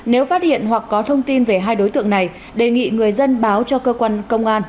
nếu phát hiện hoặc có thông tin về hai đối tượng này đề nghị người dân báo cho cơ quan công an